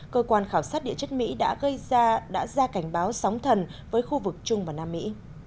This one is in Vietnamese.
cơ quan khảo sát địa chất mỹ đã ra cảnh báo sóng thần với khu vực trung và nam mỹ